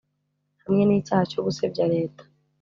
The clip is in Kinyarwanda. hamwe n’icyaha cyo gusebya Leta